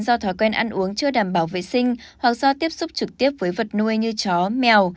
do thói quen ăn uống chưa đảm bảo vệ sinh hoặc do tiếp xúc trực tiếp với vật nuôi như chó mèo